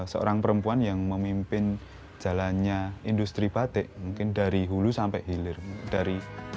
seorang perempuan yang memimpin jalannya industri batik mungkin dari hulu sampai hilir dari